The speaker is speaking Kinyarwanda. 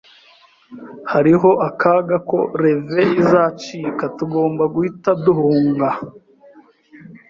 Hariho akaga ko levee izacika. Tugomba guhita duhunga.